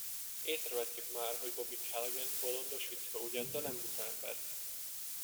Észrevehettük már, hogy Bobby Calaghan bolondos fickó ugyan, de nem buta ember.